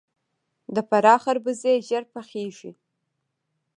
د فراه خربوزې ژر پخیږي.